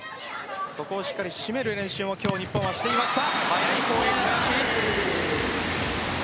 そこをしっかり締める練習も日本、していました。